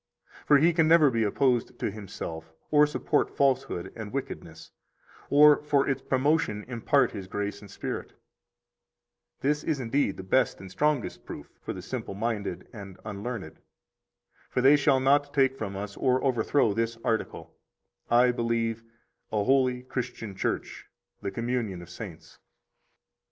For He can never be opposed to Himself, or support falsehood and wickedness, or for its promotion impart His grace and Spirit. 51 This is indeed the best and strongest proof for the simple minded and unlearned. For they shall not take from us or overthrow this article: I believe a holy Christian Church, the communion of saints.